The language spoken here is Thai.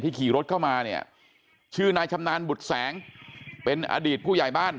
ขี่รถเข้ามาเนี่ยชื่อนายชำนาญบุตรแสงเป็นอดีตผู้ใหญ่บ้าน